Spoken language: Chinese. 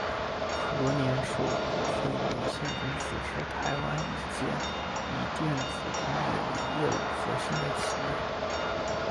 禾联硕股份有限公司是台湾一间以电子工业为业务核心的企业。